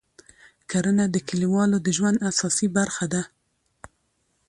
کرنه د کلیوالو د ژوند اساسي برخه ده